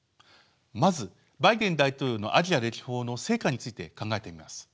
まずバイデン大統領のアジア歴訪の成果について考えてみます。